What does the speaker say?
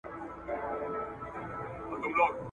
وږي پړانګ غرڅه له لیري وو لیدلی `